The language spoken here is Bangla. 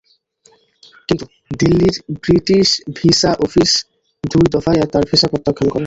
কিন্তু দিল্লির ব্রিটিশ ভিসা অফিস দুই দফায় তাঁর ভিসা প্রত্যাখ্যান করে।